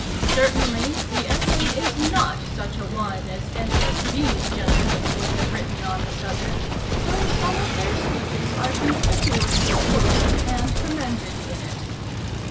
Certainly, the essay is not such a one as any of these gentlemen would have written on the subject, though some of their speeches are conspicuously quoted and commended in it."